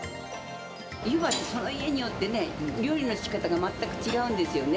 ゆばって、その家によってね、料理のしかたが全く違うんですよね。